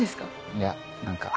いや何か